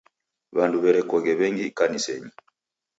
W'andu w'erekoghe w'engi ikanisenyi.